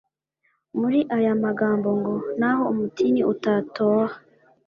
muri aya magambo ngo: «naho umutini utatoha,